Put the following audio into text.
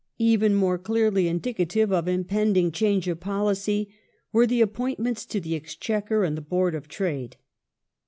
Even more clearly indicative of impending change of policy were the appointments to the Exchequer and the Board of Trade.